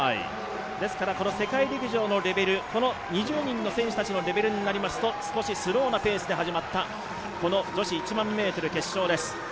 ですから世界陸上のレベル、この２０人の選手たちのレベルからいきますと少しスローなペースで始まった女子１００００ｍ決勝です。